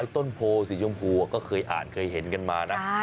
ต้นโพสีชมพูก็เคยอ่านเคยเห็นกันมานะ